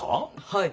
はい。